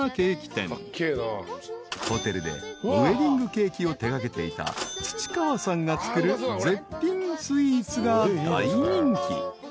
［ホテルでウエディングケーキを手掛けていた土川さんが作る絶品スイーツが大人気］